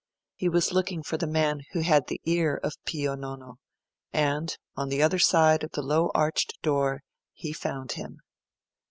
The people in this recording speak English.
He was looking for the man who had the ear of Pio Nono; and, on the other side of the low arched door, he found him.